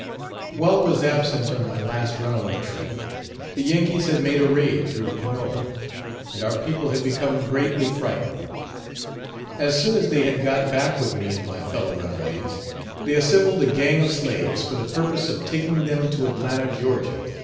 H2> While I was absent on my last runaway trip, the Yankees had made a raid through Panola; and our people had become greatly frightened. As soon as they had got back with me and my fellow runaways, they assembled a gang of slaves for the purpose of taking them to Atlanta, Ga.